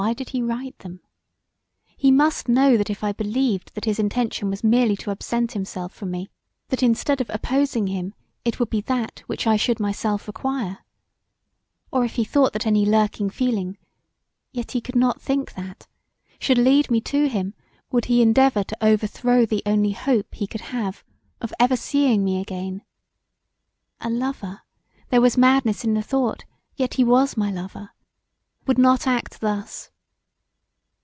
Why did he write them? He must know that if I believed that his intention was merely to absent himself from me that instead of opposing him it would be that which I should myself require or if he thought that any lurking feeling, yet he could not think that, should lead me to him would he endeavour to overthrow the only hope he could have of ever seeing me again; a lover, there was madness in the thought, yet he was my lover, would not act thus.